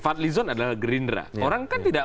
fadlizon adalah gerindra orang kan tidak